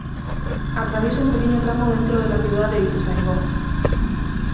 Atraviesa un pequeño tramo dentro de la ciudad de Ituzaingó.